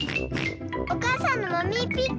お母さんのマミーピッグ。